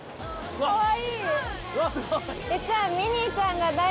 かわいい！